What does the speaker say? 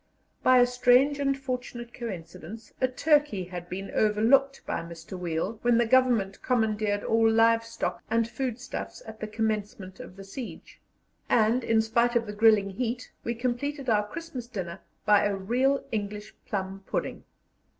By a strange and fortunate coincidence, a turkey had been overlooked by Mr. Weil when the Government commandeered all live stock and food stuffs at the commencement of the siege, and, in spite of the grilling heat, we completed our Christmas dinner by a real English plum pudding.